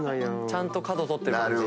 ちゃんと角取ってる感じ。